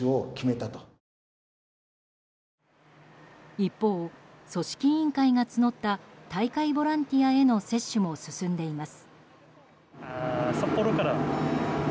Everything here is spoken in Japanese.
一方、組織委員会が募った大会ボランティアへの接種も進んでいます。